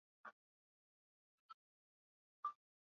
Uganda yabakia kwenye kiwango cha kipato cha chini, Benki ya Dunia yasema